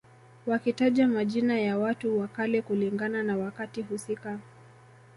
Wakitaja majina ya watu wa kale kulingana na wakati husika